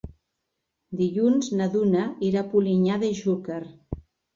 Dilluns na Duna irà a Polinyà de Xúquer.